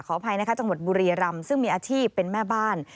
อภัยนะคะจังหวัดบุรีรำซึ่งมีอาชีพเป็นแม่บ้าน